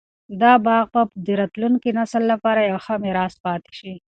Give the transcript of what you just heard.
دا باغ به د راتلونکي نسل لپاره یو ښه میراث پاتې شي.